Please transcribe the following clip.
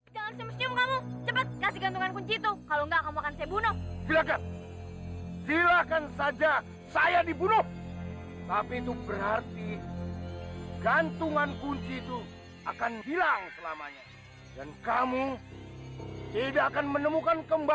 jangan semestimu kamu cepat kasih gantungan kunci itu kalau enggak kamu akan saya bunuh